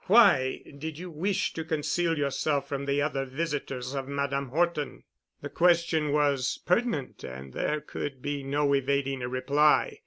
"Why did you wish to conceal yourself from the other visitors of Madame Horton?" The question was pertinent and there could be no evading a reply.